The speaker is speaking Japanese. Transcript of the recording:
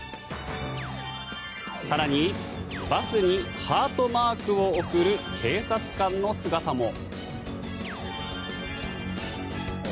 更に、バスにハートマークを送る警察官の姿も。